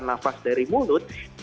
nafas dari mulut